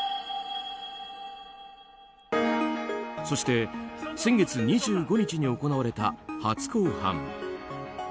そして先月２５日に行われた初公判。